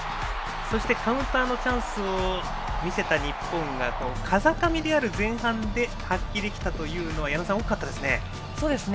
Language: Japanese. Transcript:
そしてカウンターのチャンスを見せた日本が風上である前半で発揮できたというのは矢野さん、大きかったですよね。